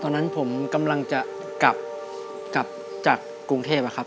ตอนนั้นผมกำลังจะกลับจากกรุงเทพครับ